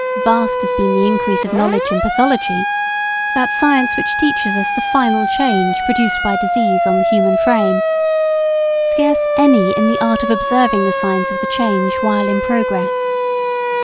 Vast has been the increase of knowledge in pathology that science which teaches us the final change produced by disease on the human frame scarce any in the art of observing the signs of the change while in progress.